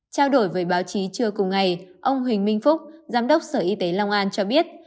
trao đổi với báo chí trưa cùng ngày ông huỳnh minh phúc giám đốc sở y tế long an cho biết